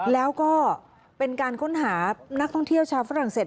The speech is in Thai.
แล้วก็เป็นการค้นหานักท่องเที่ยวชาวฝรั่งเศส